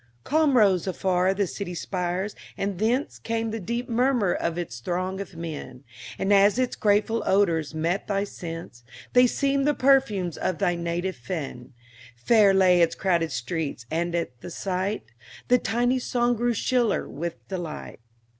Calm rose afar the city spires, and thence Came the deep murmur of its throng of men, And as its grateful odors met thy sense, They seemed the perfumes of thy native fen. Fair lay its crowded streets, and at the sight Thy tiny song grew shriller with delight.